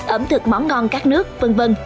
ẩm thực món ngon các nước v v